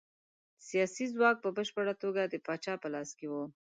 سیاسي ځواک په بشپړه توګه د پاچا په لاس کې و.